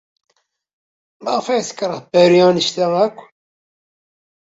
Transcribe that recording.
Maɣef ay tekṛeh Paris anect-a akk?